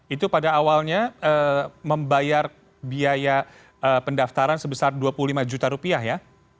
itu pada awalnya membayar biaya pendaftaran sebesar dua puluh lima juta rupiah ya